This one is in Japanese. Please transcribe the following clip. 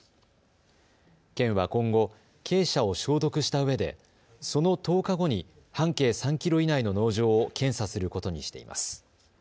県は今後、鶏舎を消毒したうえでその１０日後に半径３キロ以内の農場を検査することにしています。